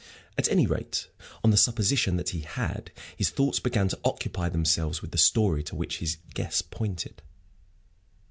At any rate, on the supposition that he had, his thoughts began to occupy themselves with the story to which his guess pointed.